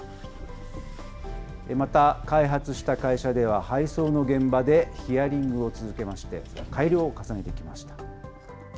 また、開発した会社では、配送の現場でヒアリングを続けまして、改良を重ねてきました。